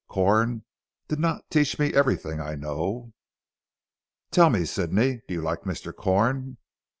Corn did not teach me everything I know! "Tell me Sidney. Do you like Mr. Corn?"